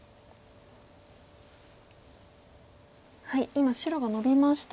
今白がノビました。